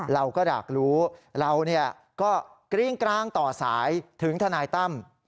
เราก็อยากรู้เราก็กริ้งกลางต่อสายถึงทนายตั้ม